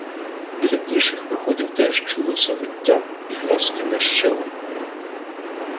Біля інших проходів теж чулося виття і ляскання щелеп.